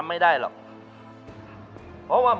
ไม่ได้ไป